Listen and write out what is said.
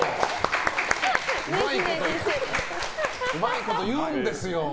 うまいこと言うんですよ。